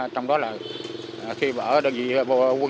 trong đó là khi bở đơn vị quân